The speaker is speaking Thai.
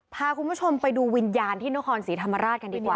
พาคุณผู้ชมไปดูวิญญาณที่นครศรีธรรมราชกันดีกว่า